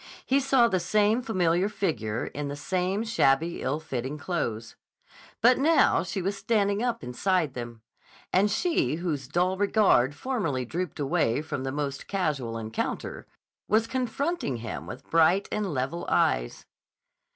He saw the same familiar figure in the same shabby, ill fitting clothes. But now she was standing up inside them. And she, whose dull regard formerly drooped away from the most casual encounter, was confronting him with bright and level eyes.